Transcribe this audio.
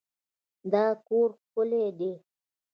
دا کور ښکلی دی.